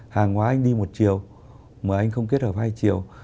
hàng hóa anh đi một chiều mà anh không kết hợp hai chiều